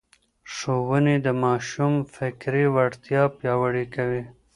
ښوونې د ماشوم فکري وړتیا پياوړې کوي.